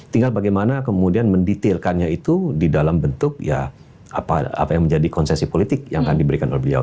tinggal bagaimana kemudian mendetailkannya itu di dalam bentuk ya apa yang menjadi konsesi politik yang akan diberikan oleh beliau